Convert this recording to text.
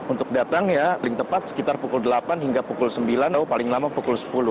untuk datang ya paling tepat sekitar pukul delapan hingga pukul sembilan atau paling lama pukul sepuluh